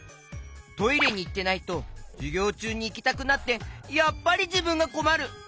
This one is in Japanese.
トイレにいってないとじゅぎょうちゅうにいきたくなってやっぱりじぶんがこまる！